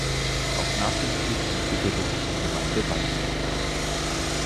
Auch nach dem Krieg entwickelte sich die Gemeinde weiter.